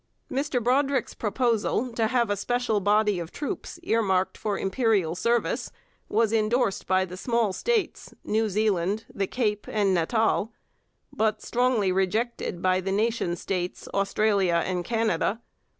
Mr Brodrick's proposal to have a special body of troops earmarked for imperial service was endorsed by the small states, New Zealand, the Cape, and Natal, but strongly rejected by the nation states, Australia and Canada.